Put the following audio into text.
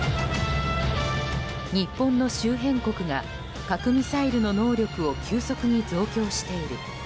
日本の周辺国が核ミサイルの能力を急速に増強している。